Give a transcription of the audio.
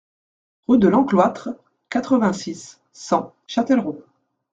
Route de Lencloître, quatre-vingt-six, cent Châtellerault